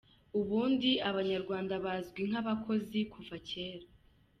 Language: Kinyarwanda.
Ubundi, abanyarwanda bazwi nk’abakozi kuva cyera.